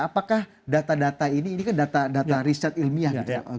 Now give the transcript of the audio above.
apakah data data ini ini kan data riset ilmiah